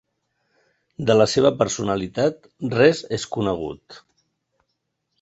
De la seva personalitat res és conegut.